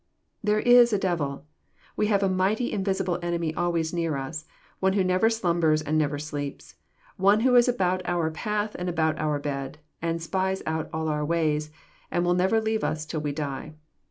There is a devil ! We have a mighty invisible enemy always near us,— one who never slumbers and never sleeps, — one who is about our path and about our bed, and spies out all our ways, and will never leave us till we die.